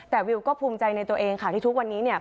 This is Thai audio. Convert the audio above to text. แต่วิวก็ภูมิใจในตัวเองค่ะที่ทุกวันนี้เนี่ย